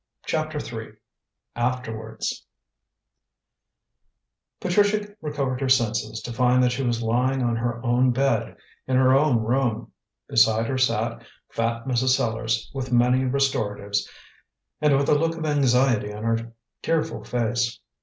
CHAPTER III AFTERWARDS Patricia recovered her senses to find that she was lying on her own bed, in her own room. Beside her sat fat Mrs. Sellars, with many restoratives, and with a look of anxiety on her tearful face.